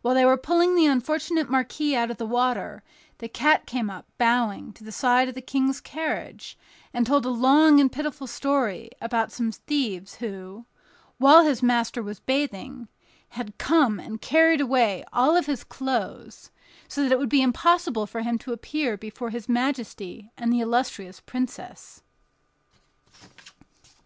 While they were pulling the unfortunate marquis out of the water, the cat came up, bowing, to the side of the King's carriage, and told a long and pitiful story about some thieves who, while his master was bathing, had come and carried away all his clothes, so that it would be impossible for him to appear before his majesty and the illustrious princess.